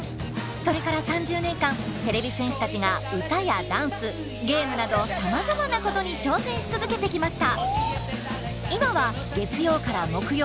それから３０年間てれび戦士たちが歌やダンスゲームなどさまざまなことに挑戦し続けてきました。